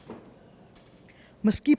meskipun kita masih di dalam